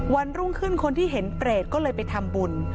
วันรุ่งขึ้นคนที่เห็นเปรตก็เลยไปทำบุญ